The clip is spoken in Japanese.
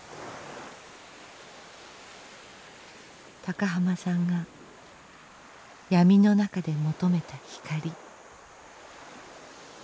高浜さんが闇の中で求めた光。